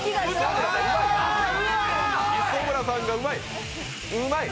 磯村さんがうまい、うまい！